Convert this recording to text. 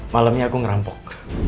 malemnya aku ngerampok